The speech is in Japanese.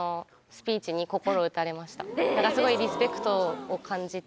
すごいリスペクトを感じて。